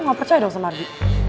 gak percaya dong sama ardi